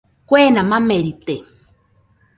Kuena mamerite.